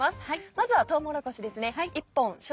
まずはとうもろこしですね。